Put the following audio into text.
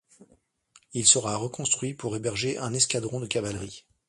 Il sera reconstruit pour héberger un escadron de cavalerie.